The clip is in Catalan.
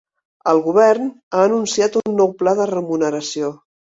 El govern ha anunciat un nou pla de remuneració.